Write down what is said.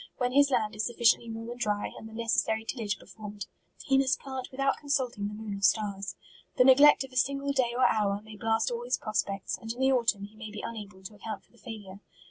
When his land is sufficiently warm and dry, and the neces sary tillagp performed, he must plant with out consulting the moon or stars. The ne glect of a single day or hour, may blast all his prospects, and in the autumn he may be unable to account for the failure.